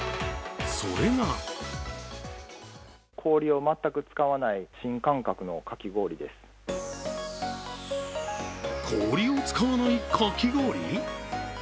それが氷を使わない、かき氷？